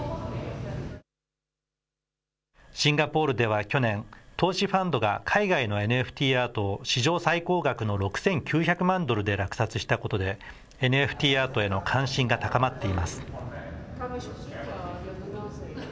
シンガポールでは去年、投資ファンドが海外のＮＦＴアートを、史上最高額の６９００万ドルで落札したことで、ＮＦＴアートへの関心が高まっています。